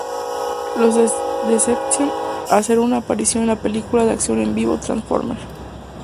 Los Decepticons hacer una aparición en la película de acción en vivo, "Transformers".